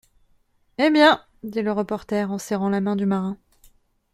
Eh bien !… dit le reporter, en serrant la main du marin